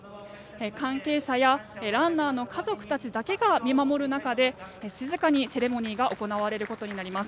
関係者やランナーの家族たちだけが見守る中で静かにセレモニーが行われることになります。